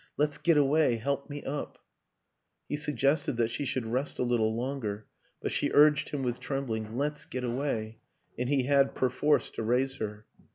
" Let's get away. Help me up !" He suggested that she should rest a little longer, but she urged him with trembling, " Let's get away !" and he had perforce to raise her.